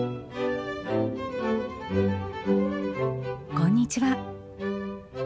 こんにちは。